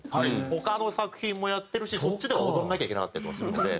他の作品もやってるしそっちでは踊らなきゃいけなかったりとかするので。